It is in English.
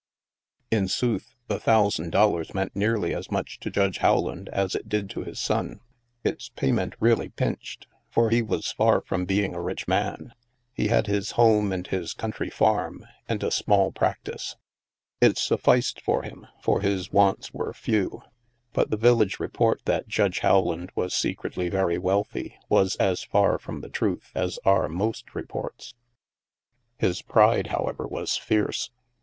In sooth, the thousand dollars meant nearly as much to Judge Rowland as it did to his son. Its payment really pinched, for he was far from being a rich man. He had his home and his country farm and a small practice: it sufficed for him, for his wants were few. But the village report that Judge Rowland was secretly very wealthy was as far from the truth as are most reports. Ris pride, however, was fierce.